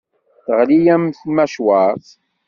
Teɣli-yam tmacwart.